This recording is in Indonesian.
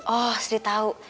oh sedih tau